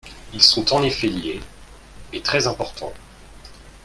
Ils sont en effet liés, et très importants.